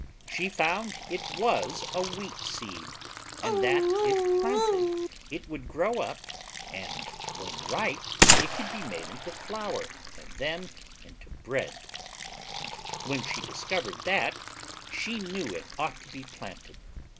She found it was a Wheat Seed and that, if planted, it would grow up and when ripe it could be made into flour and then into bread. When she discovered that, she knew it ought to be planted.